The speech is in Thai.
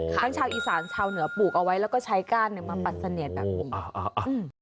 ชาวอีสานชาวเหนือปลูกเอาไว้แล้วก็ใช้ก้านเนี่ยมาปัดเสนียดแบบนี้